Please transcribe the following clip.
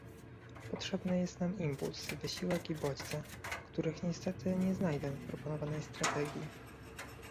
Potrzebny jest nam impuls, wysiłek i bodźce, których niestety nie znajdę w proponowanej strategii